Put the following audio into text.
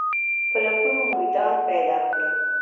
په لکونو مریدان پیدا کړل.